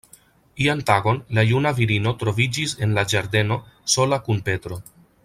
Ian tagon, la juna virino troviĝis en la ĝardeno, sola kun Petro.